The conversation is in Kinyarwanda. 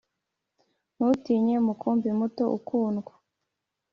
ntutinye, mukumbi muto ukundwa